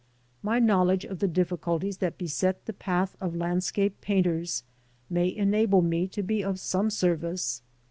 My knowledge of the difficulties that beset the path of landscape painters may enable me to be of some service.